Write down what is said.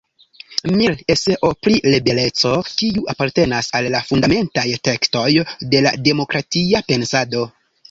Mill “Eseo pri libereco, kiu apartenas al la fundamentaj tekstoj de la demokratia pensado.